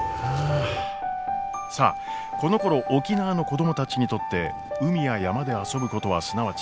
さあこの頃沖縄の子供たちにとって海や山で「遊ぶ」ことはすなわち「食べる」こと。